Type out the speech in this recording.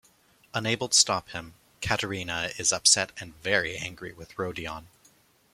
Unable to stop him, Katerina is upset and very angry with Rodion.